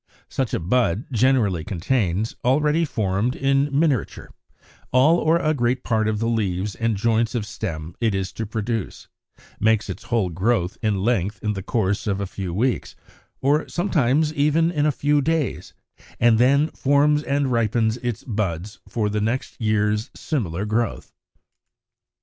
Such a bud generally contains, already formed in miniature, all or a great part of the leaves and joints of stem it is to produce, makes its whole growth in length in the course of a few weeks, or sometimes even in a few days, and then forms and ripens its buds for the next year's similar growth.